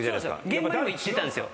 現場にも行ってたんですよ。